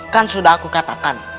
kan sudah aku katakan